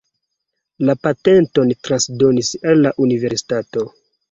La patenton transdonis al la universitato.